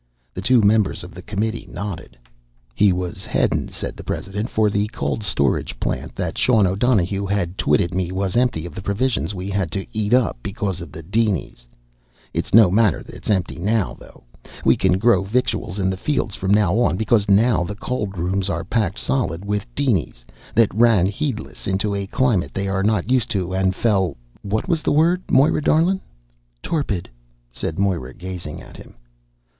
The two members of the committee nodded. "He was headin," said the president, "for the cold storage plant that Sean O'Donohue had twitted me was empty of the provisions we'd had to eat up because of the dinies. It's no matter that it's empty now though. We can grow victuals in the fields from now on, because now the cold rooms are packed solid with dinies that ran heedless into a climate they are not used to an' fell what was the word, Moira darlin'?" "Torpid," said Moira, gazing at him.